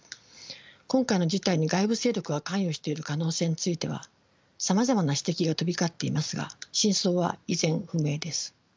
今回の事態に外部勢力が関与している可能性についてはさまざまな指摘が飛び交っていますが真相は依然不明です。